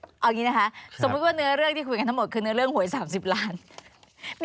เอาอย่างนี้นะคะสมมุติว่าเนื้อเรื่องที่คุยกันทั้งหมดคือเนื้อเรื่องหวย๓๐ล้าน